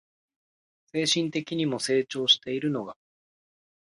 精神的にも成長しているのが